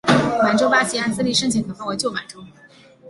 满洲八旗按资历深浅可分为旧满洲。